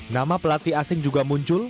nama pelatih asing juga muncul